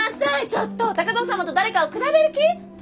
ちょっと高藤様と誰かを比べる気！？